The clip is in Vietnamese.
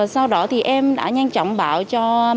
sau đó thì em đã nhanh chóng bảo cho